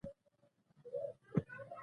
چې د ډونالډ ټرمپ د دوه زره یویشتم کال